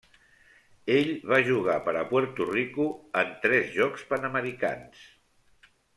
Ell va jugar per a Puerto Rico en tres Jocs Panamericans.